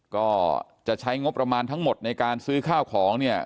ก็จะใช้งบประมาณทั้งหมดในการซื้อข้าวของเนี่ย